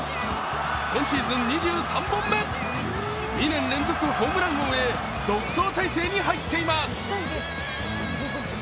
今シーズン２３本目、２年連続ホームラン王へ独走態勢に入っています。